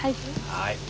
はい。